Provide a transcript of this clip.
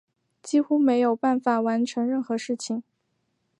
几乎没有办法完成任何事情